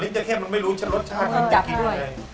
ลิ้นเจราเข้มันไม่รู้จะรสชาติมันจะกินด้วย